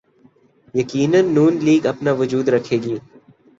یقینا نون لیگ اپنا وجود رکھے گی۔